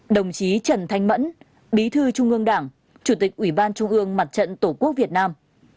một mươi tám đồng chí trần thanh mẫn bí thư trung ương đảng chủ tịch ủy ban trung ương mặt trận tổ quốc việt nam